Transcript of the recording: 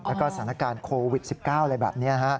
แล้วก็สถานการณ์โควิด๑๙อะไรแบบนี้